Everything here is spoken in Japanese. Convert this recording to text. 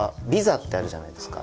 あるじゃないですか。